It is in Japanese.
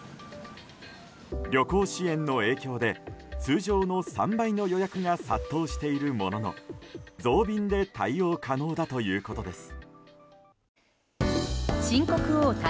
旅行支援の影響で通常の３倍の予約が殺到しているものの、増便で対応可能だということです。